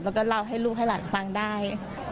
แล้วก็เล่าให้ลูกให้หลานฟังได้